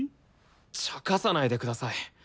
ちゃかさないでください。